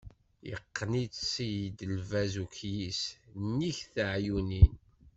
Yeqqen-itt-id lbaz ukyis, nnig teɛyunin.